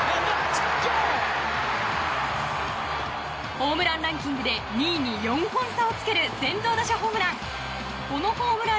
ホームランランキングで２位に４本差をつける先頭打者ホームラン。